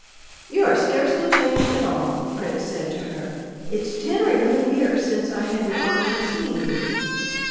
"You are scarcely changed at all," the prince said to her. "It's ten or eleven years since I had the honor of seeing you."